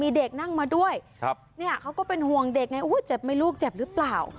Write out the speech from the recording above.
มีเด็กนั่งมาด้วยครับเนี่ยเขาก็เป็นห่วงเด็กไงเจ็บไหมลูกเจ็บหรือเปล่า